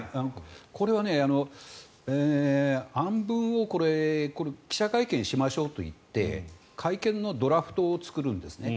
これは、案文を記者会見しましょうといって会見のドラフトを作るんですね。